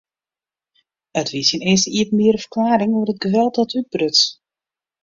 It wie syn earste iepenbiere ferklearring oer it geweld dat útbruts.